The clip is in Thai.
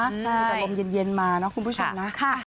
มีแต่ลมเย็นมานะคุณผู้ชมนะ